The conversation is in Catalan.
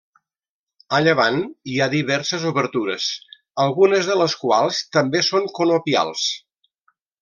A llevant hi ha diverses obertures, algunes de les quals també són conopials.